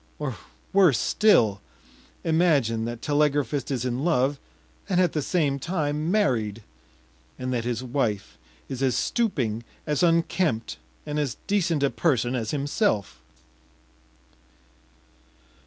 Or worse still: imagine that telegraphist is in love, and at the same time married, and that his wife is as stooping, as unkempt, and as decent a person as himself.